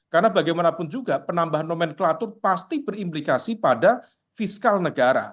karena bagaimanapun juga penambahan nomenklatur pasti berimplikasi pada fiskal negara